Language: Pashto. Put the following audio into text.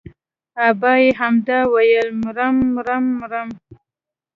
ابا يې همدا ويل مرم مرم مرم.